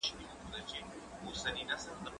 زه بايد مرسته وکړم؟